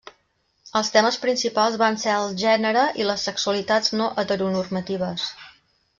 Els temes principals van ser el gènere i les sexualitats no heteronormatives.